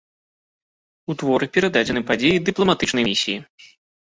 У творы перададзены падзеі дыпламатычнай місіі.